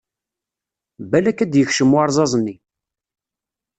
Balak ad d-yekcem warẓaz-nni!